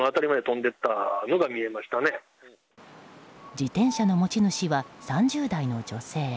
自転車の持ち主は３０代の女性。